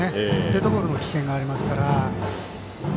デッドボールの危険がありますから。